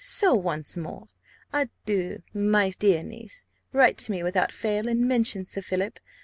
So once more adieu, my dear niece! Write to me without fail, and mention Sir Philip.